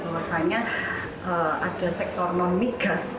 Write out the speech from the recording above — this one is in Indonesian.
bahwasannya ada sektor non migas